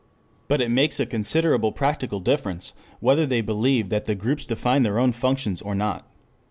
But it makes a considerable practical difference whether they believe that the groups define their own functions or not.